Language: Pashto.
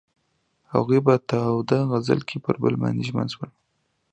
هغوی په تاوده غزل کې پر بل باندې ژمن شول.